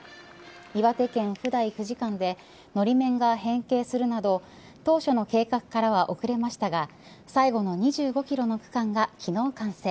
岩手県普代久慈間でのり面が変形するなど当初の計画からは遅れましたが最後の２５キロの区間が昨日完成。